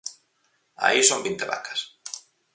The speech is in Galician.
Aí son vinte vacas.